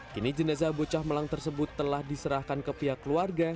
kini jenazah bocah melang tersebut telah diserahkan ke pihak keluarga